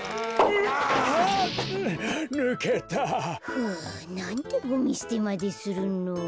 ふうなんでゴミすてまでするの。